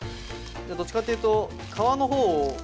どっちかっていうと皮の方をバリバリ。